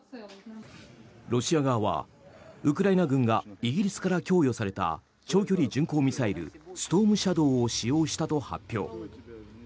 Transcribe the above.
ロシア側は、ウクライナ軍がイギリスから供与された長距離巡航ミサイルストームシャドーを使用したと発表。